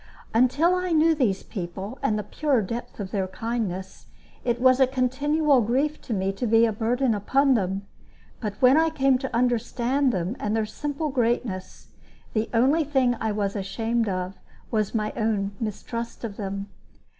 Until I knew these people, and the pure depth of their kindness, it was a continual grief to me to be a burden upon them. But when I came to understand them and their simple greatness, the only thing I was ashamed of was my own mistrust of them.